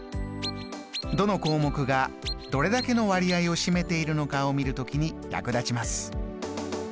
どの項目がどれだけの割合を占めているのかを見る時に役立ちます。